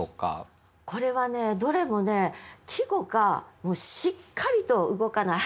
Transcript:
これはどれもね季語がしっかりと動かない。